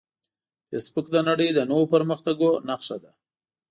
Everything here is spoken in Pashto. فېسبوک د نړۍ د نوو پرمختګونو نښه ده